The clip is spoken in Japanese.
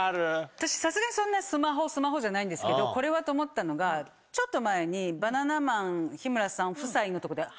私さすがにそんなにスマホスマホじゃないんですけどこれはと思ったのがちょっと前に。のとこで。